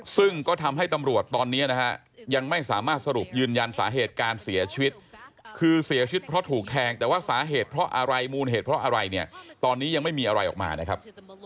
ซึ่งก็ทำให้ตำรวจตอนนี้นะฮะยังไม่สามารถสรุปยืนยันสาเหตุการเสียชีวิตคือเสียชีวิตเพราะถูกแทงแต่ว่าสาเหตุเพราะอะไรมูลเหตุเพราะอะไรเนี่ยตอนนี้ยังไม่มีอะไรออกมานะครับ